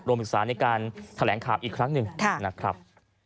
ศึกษาในการแถลงข่าวอีกครั้งหนึ่งนะครับ